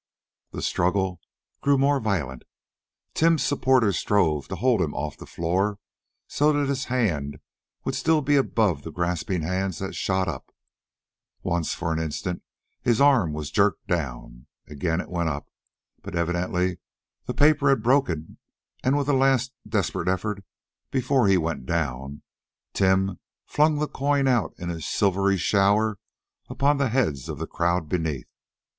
The struggle grew more violent. Tim's supporters strove to hold him off the floor so that his hand would still be above the grasping hands that shot up. Once, for an instant, his arm was jerked down. Again it went up. But evidently the paper had broken, and with a last desperate effort, before he went down, Tim flung the coin out in a silvery shower upon the heads of the crowd beneath.